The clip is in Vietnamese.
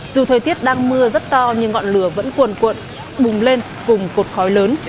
dù thời tiết đang mưa rất to nhưng ngọn lửa vẫn cuồn cuộn bùng lên cùng cột khói lớn